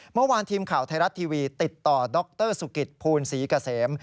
เมื่อวานทีมข่าวไทยรัฐทีวีติดต่อดรสุกิตภูลศรีเกษม